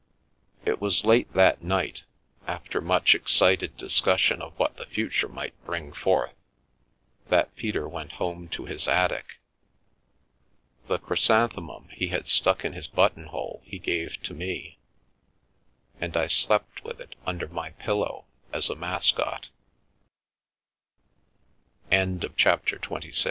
It was late that night, after much excited discussion of what the future might bring forth, that Peter went home to his attic. The chrysanthemum he had stuck in his button hole he gave to me, and I slept with it under my